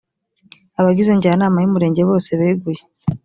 abagize njyanama y’umurenge bose beguye